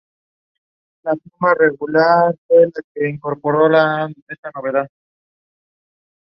Yolo is inspired by the Congolese origins of Gims.